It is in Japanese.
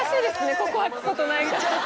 ここ開くことないから。